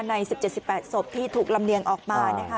๑๗๑๘ศพที่ถูกลำเลียงออกมานะคะ